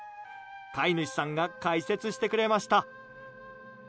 飼い主さんが解説してくれました。